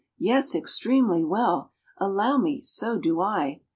"Yes, extremely well." "Allow me, so do I."